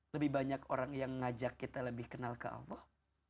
lebih banyak orang yang ngajak kita lebih kenal ke allah